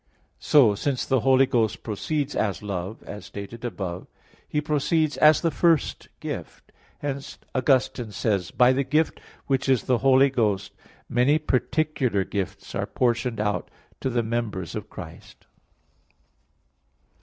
So since the Holy Ghost proceeds as love, as stated above (Q. 27, A. 4; Q. 37, A. 1), He proceeds as the first gift. Hence Augustine says (De Trin. xv, 24): "By the gift, which is the Holy Ghost, many particular gifts are portioned out to the members of Christ."